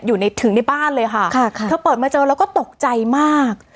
อยู่ในถึงในบ้านเลยค่ะค่ะเธอเปิดมาเจอแล้วก็ตกใจมาก